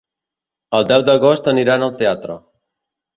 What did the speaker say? El deu d'agost aniran al teatre.